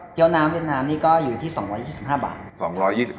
เยาว์น้ำเยาว์น้ำนี่ก็อยู่ที่๒๒๕บาท